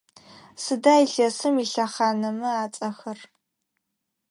Сыда илъэсым илъэхъанэмэ ацӏэхэр?